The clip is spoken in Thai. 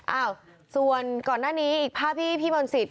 เอ้าส่วนก่อนหน้านี้อีกภาพี่พี่ม่อนสิทธิ์